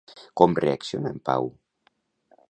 Com reacciona en Pau?